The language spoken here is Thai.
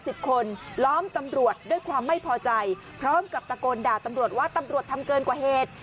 สิบคนล้อมตำรวจด้วยความไม่พอใจพร้อมกับตะโกนด่าตำรวจว่าตำรวจทำเกินกว่าเหตุ